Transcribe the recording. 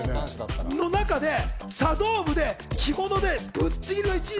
その中で茶道部で着物姿でぶっちぎりの１位。